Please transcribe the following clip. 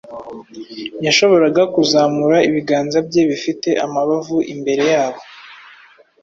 yashoboraga kuzamura ibiganza bye bifite amabavu imbere yabo